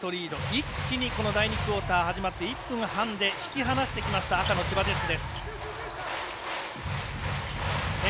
一気に第２クオーター始まって１分半で引き離してきた赤の千葉ジェッツ。